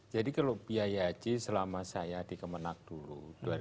jadi kalau biaya haji selama saya di kemenang dulu